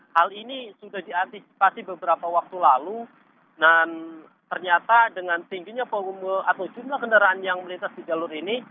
hal ini sudah diantisipasi beberapa waktu lalu dan ternyata dengan jumlah kendaraan yang melintasi jalur ini